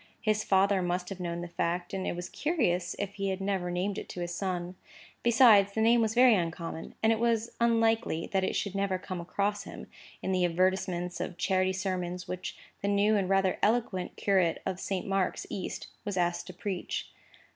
His father must have known the fact, and it was curious if he had never named it to his son. Besides, the name was very uncommon; and it was unlikely that it should never come across him, in the advertisements of charity sermons which the new and rather eloquent curate of Saint Mark's East was asked to preach.